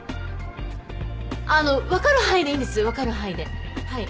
あのわかる範囲でいいんですよわかる範囲ではい。